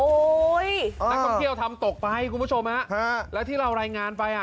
นักท่องเที่ยวทำตกไปคุณผู้ชมฮะแล้วที่เรารายงานไปอ่ะ